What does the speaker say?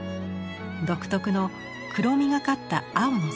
独特の黒みがかった青の染付。